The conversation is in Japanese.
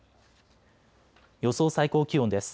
予想最高気温です。